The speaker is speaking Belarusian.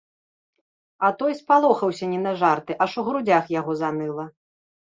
А той спалохаўся не на жарты, аж у грудзях яго заныла.